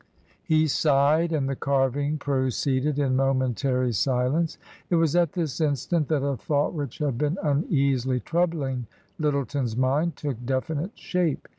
He sighed, and the carving proceeded in momentary silence. It was at this instant that a thought which had been uneasily troubling Lyttleton's mind took definite shape.